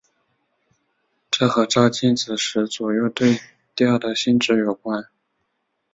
这和照镜子时左右对调的性质有关。